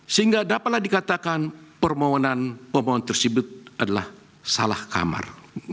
sehingga dapatlah dikatakan permohonan pemohon tersebut adalah salah kamar